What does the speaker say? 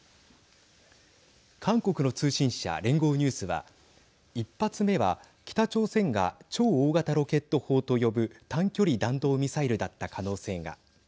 韓国の通信社、連合ニュースは１発目は北朝鮮が超大型ロケット砲と呼ぶ短距離弾道ミサイルだった可能性が。